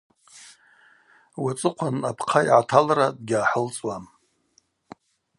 Уацӏыхъван апхъа йгӏаталра дгьгӏахӏылцӏуам.